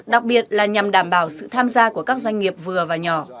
đặc biệt là nhằm đảm bảo sự tham gia của các doanh nghiệp vừa và nhỏ